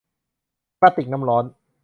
กระติกน้ำร้อน